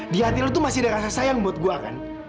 di hati lu tuh masih ada rasa sayang buat gue kan